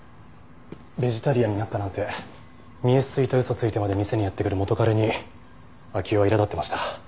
「ベジタリアンになった」なんて見え透いた嘘をついてまで店にやって来る元彼に暁代はいら立ってました。